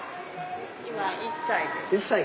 今１歳です。